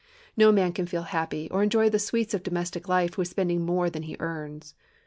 No man can feel happy or enjoy the sweets of domestic life who is spending more than he earns.